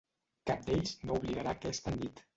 Cap d'ells no oblidarà aquesta nit.